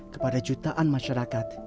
kepada jutaan masyarakat